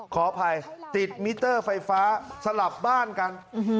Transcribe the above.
ขออภัยติดมิเตอร์ไฟฟ้าสลับบ้านกัน